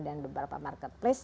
dengan beberapa marketplace